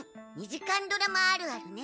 ２時間ドラマあるあるね。